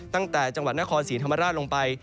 ตั้งแต่จังหวัดนครศรีธรรมราชลงไป